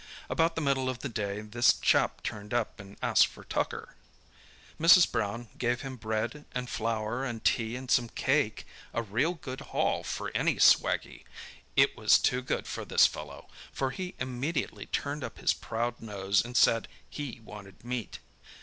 About the middle of the day this chap turned up and asked for tucker. "Mrs. Brown gave him bread and flour and tea and some cake—a real good haul for any swaggie. It was too good for this fellow, for he immediately turned up his proud nose and said he wanted meat.